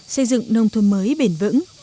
xây dựng nông thôn mới bền vững